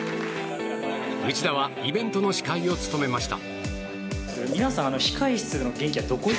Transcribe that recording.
内田はイベントの司会を務めました。